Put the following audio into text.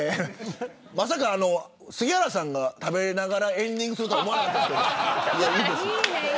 まさか杉原さんが食べながらエンディングするとは思わなかったです。